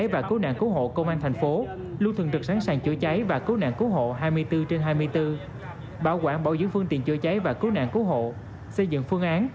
và cứu nạn cứu hộ hai mươi bốn trên hai mươi bốn bảo quản bảo dưỡng phương tiện chữa cháy và cứu nạn cứu hộ xây dựng phương án